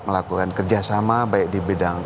melakukan kerjasama baik di bidang